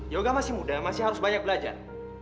yoga masih muda masih harus banyak belajar